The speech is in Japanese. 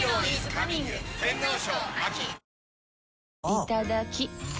いただきっ！